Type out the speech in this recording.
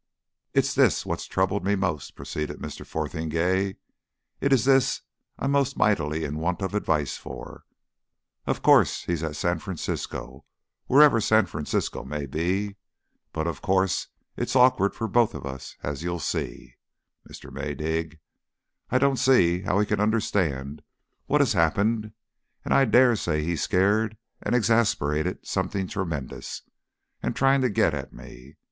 "It's this what troubled me most," proceeded Mr. Fotheringay; "it's this I'm most mijitly in want of advice for; of course he's at San Francisco wherever San Francisco may be but of course it's awkward for both of us, as you'll see, Mr. Maydig. I don't see how he can understand what has happened, and I daresay he's scared and exasperated something tremendous, and trying to get at me.